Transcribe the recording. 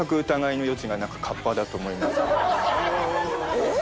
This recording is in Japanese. えっ？